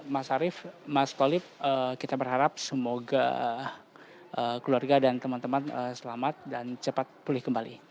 mas arief mas kolib kita berharap semoga keluarga dan teman teman selamat dan cepat pulih kembali